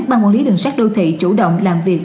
ban quản lý đường sát đô thị chủ động làm việc